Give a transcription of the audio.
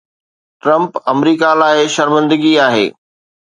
Trump آمريڪا لاءِ شرمندگي آهي